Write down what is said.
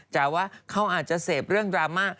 แต่ว่าเขาอาจจะเสพเรื่องดราม่า